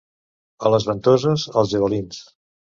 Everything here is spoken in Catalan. A les Ventoses, els «javalins».